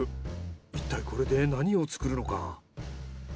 いったいこれで何を作るのか。